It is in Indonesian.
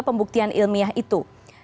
pembuktian ilmiah itu